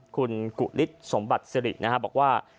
คุณกุฤษสมบัติสิรินะครับบอกว่า